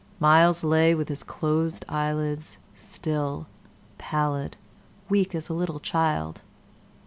Myles lay with closed eyelids, still, pallid, weak as a little child.